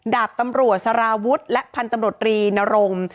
ดาบตำรวจสารวุฒิและพันธุ์ตำรวจรีนรงค์